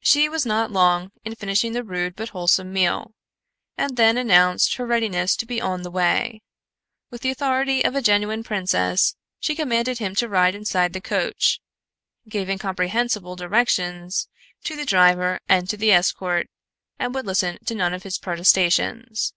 She was not long in finishing the rude but wholesome meal, and then announced her readiness to be on the way. With the authority of a genuine princess she commanded him to ride inside the coach, gave incomprehensible directions to the driver and to the escort, and would listen to none of his protestations.